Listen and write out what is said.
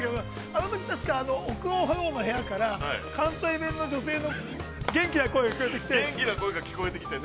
あのとき、たしか、あの奥のほうの部屋から関西弁の女性の元気な声が聞こえてきて。